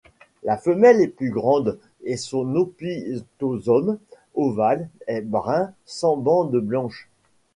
La femelle est plus grande et son opisthosome ovale est brun sans bandes blanches.